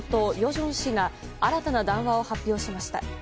正氏が新たな談話を発表しました。